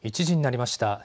１時になりました。